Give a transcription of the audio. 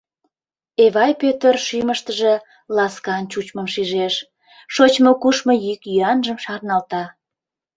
Эвай Пӧтыр шӱмыштыжӧ ласкан чучмым шижеш, шочмо-кушмо йӱк-йӱанжым шарналта.